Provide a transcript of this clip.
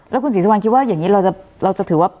แล้วคุณศรีสุวรรณคิดว่าอย่างนี้เราจะถือว่า